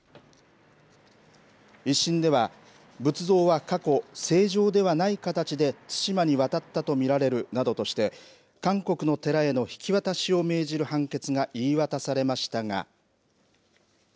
１審では仏像は過去、正常ではない形で対馬に渡ったと見られるなどとして韓国の寺への引き渡しを命じる判決が言い渡されましたが。